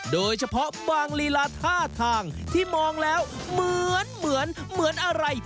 โดยเฉพาะบางลีลาท่าทางที่มองแล้วเหมือนเหมือนอะไร